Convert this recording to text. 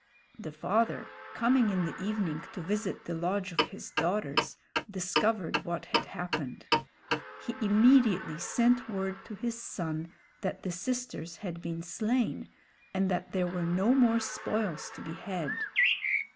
The father, coming in the evening to visit the lodge of his daughters, discovered what had happened. He immediately sent word to his son that the sisters had been slain, and that there were no more spoils to be had.